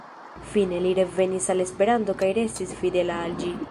Fine, li revenis al Esperanto kaj restis fidela al ĝi.